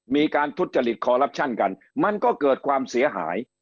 มีการทุจริตคอลลับชั่นกันมันก็เกิดความเสียหาย